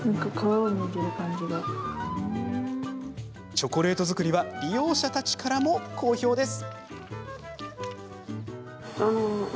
チョコレート作りは利用者たちからも好評です。